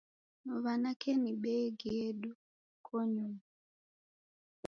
Wanake ni bengi yedu konyuma.